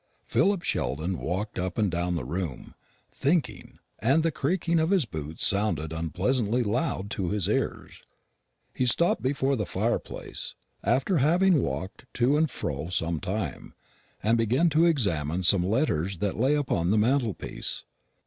Philip Sheldon walked up and down the room, thinking; and the creaking of his boots sounded unpleasantly loud to his ears. He stopped before the fireplace, after having walked to and fro some time, and began to examine some letters that lay upon the mantelpiece.